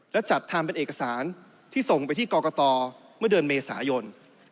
และจัดทำเป็นเอกสารที่ส่งไปที่กรกตเมื่อเดือนเมษายน